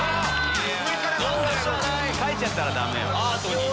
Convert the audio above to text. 何で⁉書いちゃったらダメよ。